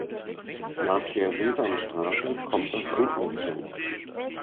Nach der Sesamstraße kommt das Sandmännchen.